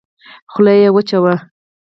خوله يې وچه وه.